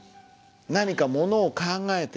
何かものを考えている。